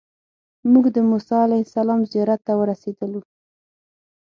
موږ د موسی علیه السلام زیارت ته ورسېدلو.